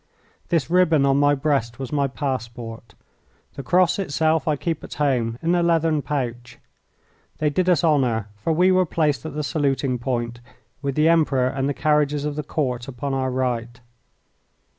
This ribbon on my breast was my passport. The cross itself I keep at home in a leathern pouch. They did us honour, for we were placed at the saluting point, with the Emperor and the carriages of the Court upon our right.